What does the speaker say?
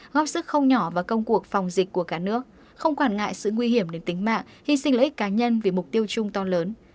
góp sức không nhỏ vào công cuộc phòng dịch của cả nước không quản ngại sự nguy hiểm đến tính mạng hy sinh lợi ích cá nhân vì mục tiêu chung to lớn